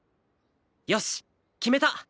よし決めた！